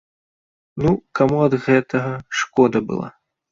Ну, каму ад гэтага шкода была?